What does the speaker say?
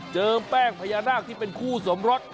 แป้งพญานาคที่เป็นคู่สมรส